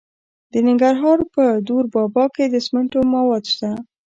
د ننګرهار په دور بابا کې د سمنټو مواد شته.